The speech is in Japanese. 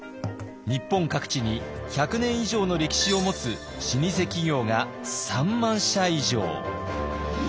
日本各地に百年以上の歴史を持つ老舗企業が３万社以上。